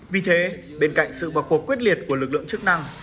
vì thế bên cạnh sự vào cuộc quyết liệt của lực lượng chức năng